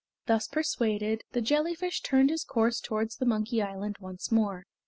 Thus persuaded, the jellyfish turned his course towards the Monkey Island once more.